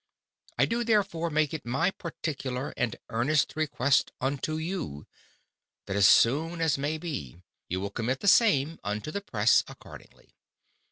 I do therefore make it my particular and earnest Request unto you, that as soon as may be, you will commit the same unto the +Press+ accordingly.